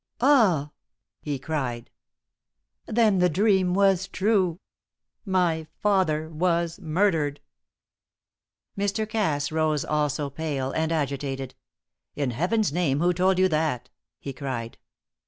"Ah!" he cried. "Then the dream was true. My father was murdered!" Mr. Cass rose also pale and agitated. "In Heaven's name who told you that?" he cried.